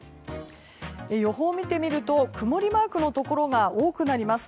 予報を見てみると、曇りマークのところが多くなります。